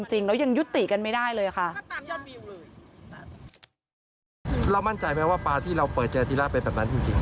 เรามั่นใจไหมว่าปลาที่เราเปิดเจอทีร่าเป็นแบบนั้นจริง